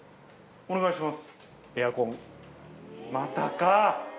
お願いします。